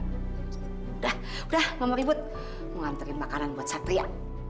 udah udah mama ribut mengantarin makanan buat satria